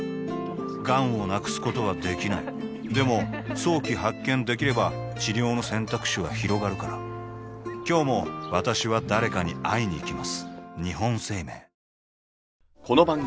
がんを無くすことはできないでも早期発見できれば治療の選択肢はひろがるから今日も私は誰かに会いにいきます